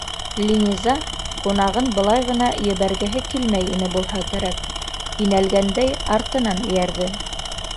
Линиза ҡунағын былай ғына ебәргеһе килмәй ине булһа кәрәк, инәлгәндәй артынан эйәрҙе.